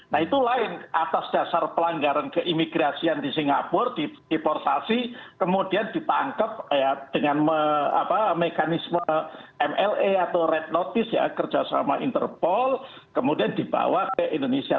nah itu lain atas dasar pelanggaran keimigrasian di singapura diiportasi kemudian ditangkap dengan mekanisme mle atau red notice ya kerjasama interpol kemudian dibawa ke indonesia